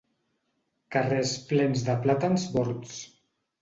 Carrers plens de plàtans bords.